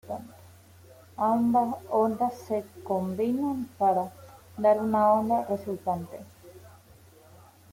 Ambas ondas se combinan para dar una onda resultante.